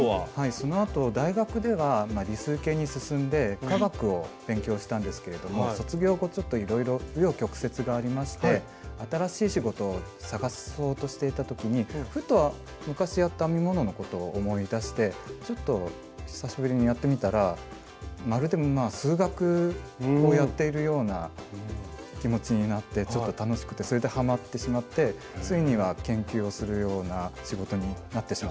そのあと大学では理数系に進んで化学を勉強したんですけれども卒業後ちょっといろいろ紆余曲折がありまして新しい仕事を探そうとしていた時にふと昔やった編み物のことを思い出してちょっと久しぶりにやってみたらまるで数学をやっているような気持ちになってちょっと楽しくてそれでハマってしまってついには研究をするような仕事になってしまった。